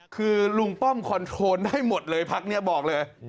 คือลุงป้อมคอนโทรลได้หมดเลยพักนี้บอกเลย